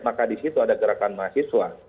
maka di situ ada gerakan mahasiswa